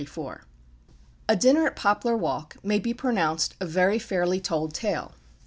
"A Dinner at Poplar Walk" may be pronounced a very fairly told tale.